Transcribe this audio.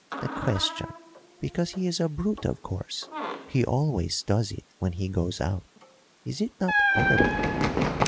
"The question! Because he is a brute, of course. He always does it when he goes out. Is it not horrible?"